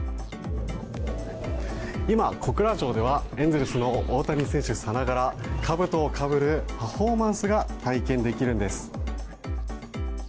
今、小倉城ではエンゼルスの大谷選手さながらかぶとをかぶるパフォーマンスが体験できるんです。